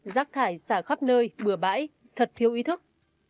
rác thải xả khắp nơi bừa bãi thật thiếu ý thức